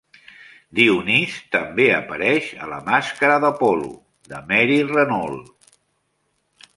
Dionís també apareix a "La màscara d'Apol·lo" de Mary Renault.